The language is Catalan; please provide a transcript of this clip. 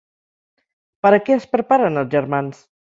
Per a què es preparen els germans?